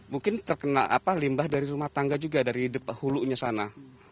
mungkin terkena limbah dari rumah tangga juga dari hulunya sana